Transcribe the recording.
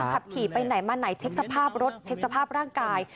ขับขี่ไปไหนมาไหนเช็คสภาพรถเช็คสภาพร่างกาย